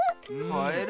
カエル。